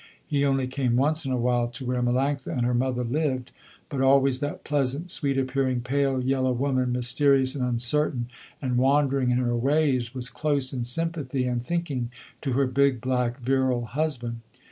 He only came once in a while to where Melanctha and her mother lived, but always that pleasant, sweet appearing, pale yellow woman, mysterious and uncertain and wandering in her ways, was close in sympathy and thinking to her big black virile husband.